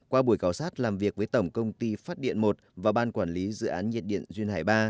qua buổi khảo sát làm việc với tổng công ty phát điện một và ban quản lý dự án nhiệt điện duyên hải ba